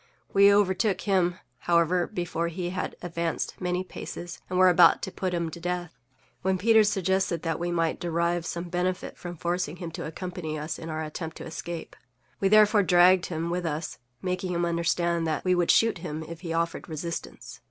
We overtook _him,_however, before he had advanced many paces, and were about to put him to death, when Peters suggested that we might derive some benefit from forcing him to accompany us in our attempt to escape. We therefore dragged him with us, making him understand that we would shoot him if he offered resistance.